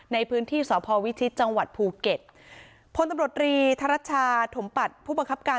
ในพื้นที่สพวิชิตจังหวัดภูเก็ตพลตำรวจรีธรัชชาถมปัตย์ผู้บังคับการ